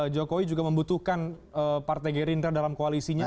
jokowi juga membutuhkan partai gerindra dalam koalisinya